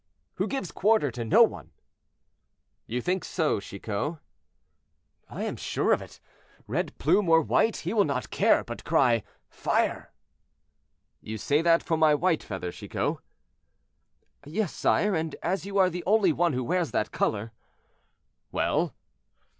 "Who gives quarter to no one." "You think so, Chicot?" "I am sure of it; red plume or white, he will not care, but cry, Fire!" "You say that for my white feather, Chicot." "Yes, sire, and as you are the only one who wears that color—" "Well!"